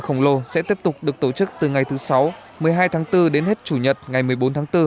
hai mươi bốn h khổng lồ sẽ tiếp tục được tổ chức từ ngày thứ sáu một mươi hai tháng bốn đến hết chủ nhật ngày một mươi bốn tháng bốn